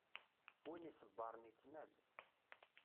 Win iṣebṛen, ittnal.